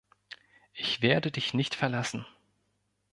Ich werde dich nicht verlassen.